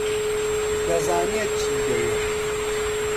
دەزانێت چی دەوێت.